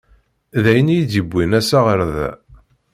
D ayen i yi-d-yewwin assa ɣer da.